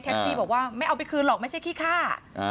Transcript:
ซี่บอกว่าไม่เอาไปคืนหรอกไม่ใช่ขี้ฆ่า